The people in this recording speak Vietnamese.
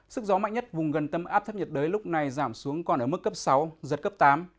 sức gió mạnh nhất vùng gần tâm áp thấp nhiệt đới lúc này giảm xuống còn ở mức cấp sáu giật cấp tám